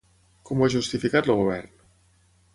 Com ho ha justificat el govern?